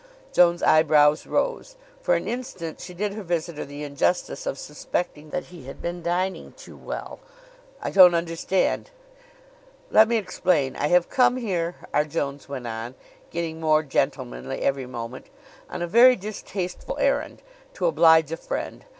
Joan's eyebrows rose. For an instant she did her visitor the injustice of suspecting that he had been dining too well. "I don't understand." "Let me explain: I have come here," R. Jones went on, getting more gentlemanly every moment, "on a very distasteful errand, to oblige a friend.